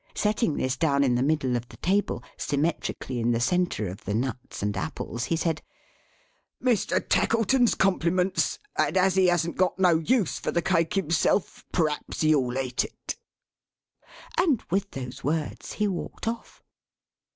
Setting this down in the middle of the table, symmetrically in the centre of the nuts and apples, he said: "Mr. Tackleton's compliments, and as he hasn't got no use for the cake himself, p'raps you'll eat it." And with those words, he walked off.